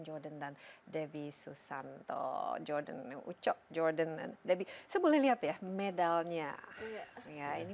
jordan dan devi susanto jordan ucok jordan dan lebih seboleh lihat ya medalnya ya ini